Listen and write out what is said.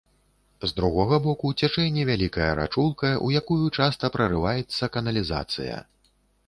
З другога боку цячэ невялікая рачулка, у якую часта прарываецца каналізацыя.